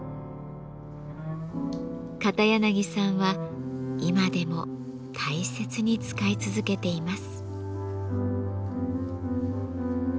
片柳さんは今でも大切に使い続けています。